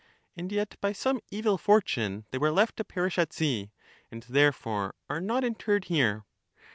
And yet by some evil fortune they were left to perish at sea, and therefore are l not interred here.